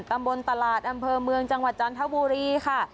ตำบลตลาดอำเภอเมืองจังหวัดจันทบุรีค่ะ